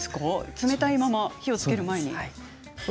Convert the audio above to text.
冷たいまま火をつける前に。